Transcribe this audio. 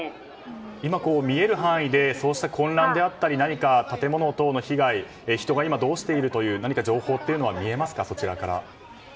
今、見える範囲でそうした混乱であったり建物等の被害人がどうしているとか何か、情報というのは見えますかそちらから。